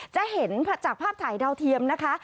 จะเห็นจากภาพถ่ายดาวเทียมนะคะ